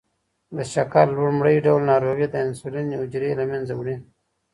د شکر لومړی ډول ناروغي د انسولین حجرې له منځه وړي.